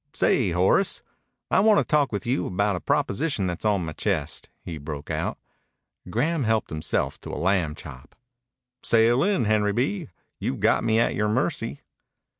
"Say, Horace, I wanta talk with you about a proposition that's on my chest," he broke out. Graham helped himself to a lamb chop. "Sail in, Henry B. You've got me at your mercy."